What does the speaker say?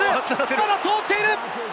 まだ通っている！